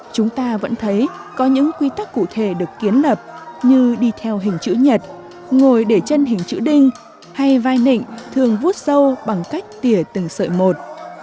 chúng ta vẫn thấy có những quy tắc cụ thể được kiến lập như đi theo hình chữ nhật ngồi để chân hình chữ đinh hay vai nịnh thường vút sâu bằng cách tỉa từng sợi một